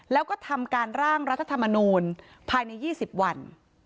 แล้วก็ทำการร่างรัฐธรรมนูลภายใน๒๐วัน